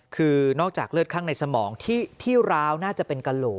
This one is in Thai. คือนอกจากเลือดข้างในสมองที่ร้าวน่าจะเป็นกระโหลก